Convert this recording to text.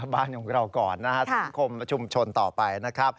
บ้านของเราก่อนนะฮะสังคมชุมชนต่อไปนะครับ